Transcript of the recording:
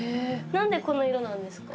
何でこの色なんですか？